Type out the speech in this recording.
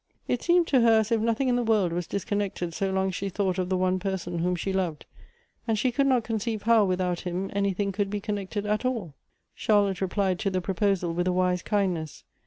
It seemed to her as if nothing in the world was disconnec ted so long as she thought of the one person whom she loved: and she could not conceive how, without him, anything could be connected at all. Charlotte replied to the proposal with a wise kindness.